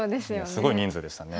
すごい人数でしたね。